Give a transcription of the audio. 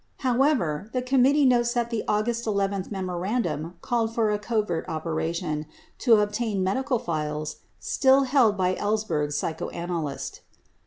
However, the committee notes that the August 11 memo randum called for a "covert operation" to obtain medical files still held by Ellsberg' s psychoanalyst.